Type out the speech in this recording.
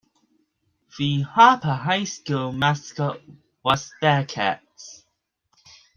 The Harper High School mascot was Bearcats.